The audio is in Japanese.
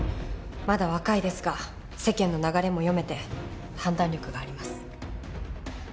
まだ若いですが世間の流れも読めて判断力があります。